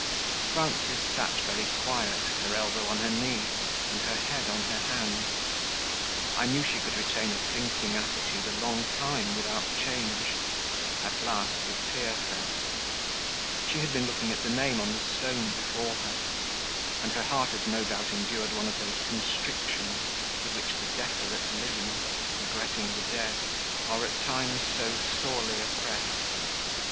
Frances sat very quiet, her elbow on her knee, and her head on her hand. I knew she could retain a thinking attitude a long time without change; at last, a tear fell; she had been looking at the name on the stone before her, and her heart had no doubt endured one of those constrictions with which the desolate living, regretting the dead, are, at times, so sorely oppressed.